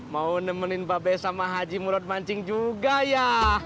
mau nemenin babes sama haji murad mancing juga ya